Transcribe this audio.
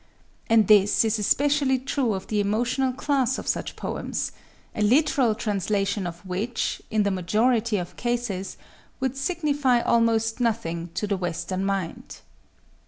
And this is especially true of the emotional class of such poems,—a literal translation of which, in the majority of cases, would signify almost nothing to the Western mind.